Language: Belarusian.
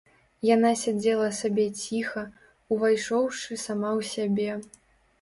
Яна сядзела сабе ціха, увайшоўшы сама ў сябе.